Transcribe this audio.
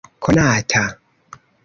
konata